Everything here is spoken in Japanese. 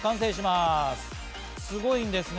すごいんですね。